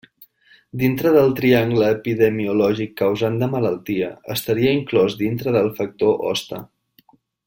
Dintre del triangle epidemiològic causant de malaltia, estaria inclòs dintre del factor hoste.